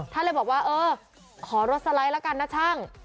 ท่านเลยบอกว่าเออขอรถสไลด์ละกันนะช่าง